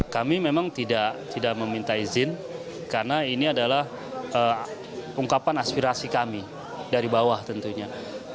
kami memang tidak meminta izin karena ini adalah ungkapan aspirasi kami dari bawah tentunya